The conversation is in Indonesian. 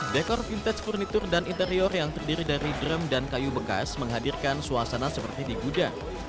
dekor vintage furnitur dan interior yang terdiri dari drum dan kayu bekas menghadirkan suasana seperti di gudang